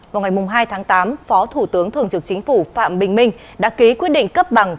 vào ngày hai tháng tám phó thủ tướng thường trực chính phủ phạm bình minh đã ký quyết định cấp bằng